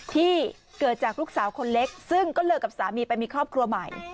ที่เกิดจากลูกสาวคนเล็กซึ่งก็เลิกกับสามีไปมีครอบครัวใหม่